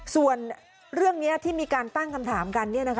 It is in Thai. ส่วนเรื่องนี้ที่มีการตั้งคำถามกัน